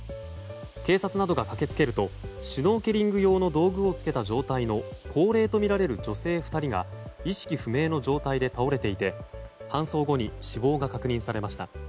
警察などが駆けつけるとシュノーケリング用の道具をつけた状態の高齢とみられる女性２人が意識不明の状態で倒れていて搬送後に死亡が確認されました。